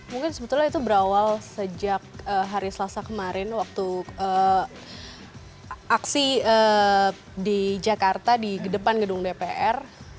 mungkin sebetulnya itu berawal sejak hari selasa kemarin waktu aksi di jakarta di depan gedung dpr